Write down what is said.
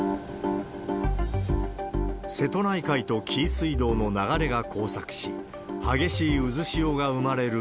瀬戸内海と紀伊水道の流れが交錯し、激しいうずしおが生まれる